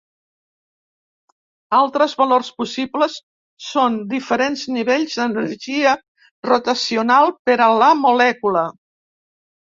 Altres valors possibles són diferents nivells d'energia rotacional per a la molècula.